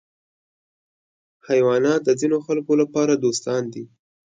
حیوانات د ځینو خلکو لپاره دوستان دي.